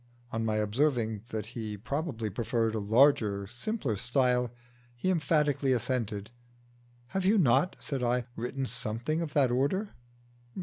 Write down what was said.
On my observing that he probably preferred a larger, simpler style, he emphatically assented. "Have you not," said I, "written something of that order?"